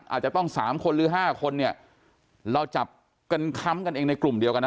อาจจะต้องสามคนหรือ๕คนเนี่ยเราจับกันค้ำกันเองในกลุ่มเดียวกันนะ